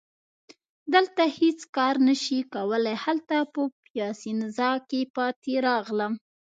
دلته هیڅ کار نه شي کولای، هلته په پیاسینزا کي پاتې راغلم.